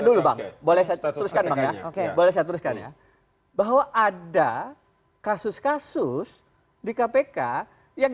dulu bang boleh saya teruskan bang ya oke boleh saya teruskan ya bahwa ada kasus kasus di kpk yang